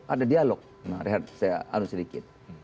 ada dialog rehat saya anu sedikit